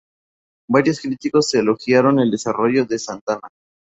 Varios críticos elogiaron el desarrollo de santana.